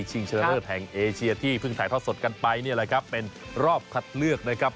เชื้อเลิศแห่งเอเชียที่เพิ่งถ่ายทอดสดกันไปนี่แหละครับเป็นรอบคัดเลือกนะครับ